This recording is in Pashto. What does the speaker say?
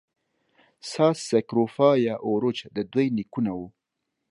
ساس سکروفا یا اوروچ د دوی نیکونه وو.